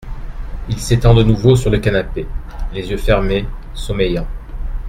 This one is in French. Il s’étend de nouveau sur le canapé, les yeux fermés, sommeillant.